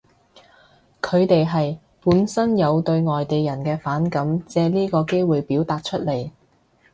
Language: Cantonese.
佢哋係，本身有對外地人嘅反感，借呢個機會表達出嚟